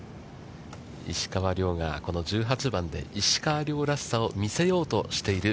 石川遼がこの１８番で石川遼らしさを見せようとしている